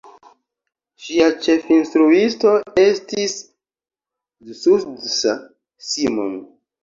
Ŝia ĉefinstruisto estis Zsuzsa Simon.